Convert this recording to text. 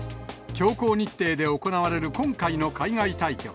強行日程で行われる今回の海外対局。